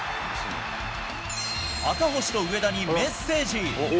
赤星と上田にメッセージ。